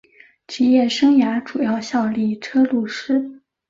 职业生涯主要效力车路士。